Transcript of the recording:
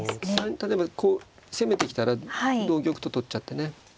例えばこう攻めてきたら同玉と取っちゃってね。